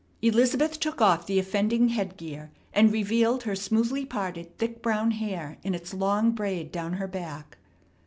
Elizabeth took off the offending headgear, and revealed her smoothly parted, thick brown hair in its long braid down her back.